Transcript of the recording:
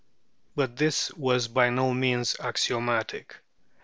But this was by no means axiomatic.